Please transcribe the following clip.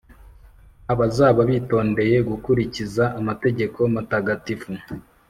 Abazaba bitondeye gukurikiza amategeko matagatifu